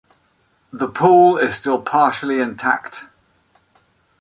The pool is still partially intact.